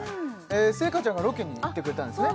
星夏ちゃんがロケに行ってくれたんですね